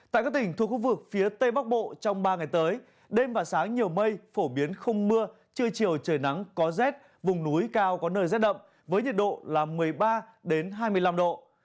tại các tỉnh thuộc khu vực phía tây bắc bộ trong ba ngày tới đêm và sáng nhiều mây phổ biến không mưa trưa chiều trời nắng có rét vùng núi cao có nơi rét đậm với nhiệt độ là một mươi ba hai mươi năm độ